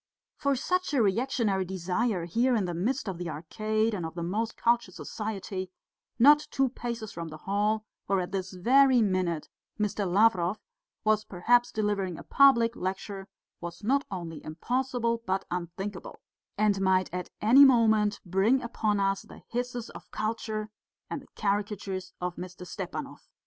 For such a reactionary desire here, in the midst of the Arcade and of the most cultured society, not two paces from the hall where at this very minute Mr. Lavrov was perhaps delivering a public lecture, was not only impossible but unthinkable, and might at any moment bring upon us the hisses of culture and the caricatures of Mr. Stepanov.